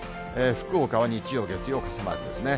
福岡は日曜、月曜、傘マークですね。